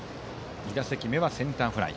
２打席目はセンターフライ。